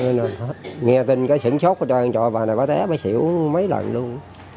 nên là nghe tin cái sửn sốt của trời ơi trời ơi bà này bà té bà xỉu mấy lần luôn